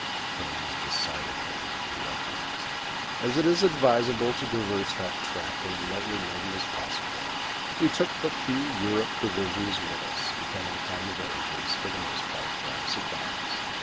But it was decidedly "roughing it." As it is advisable to traverse that track as lightly laden as possible, we took but few "Europe" provisions with us, depending upon the villages, for the most part, for our supplies.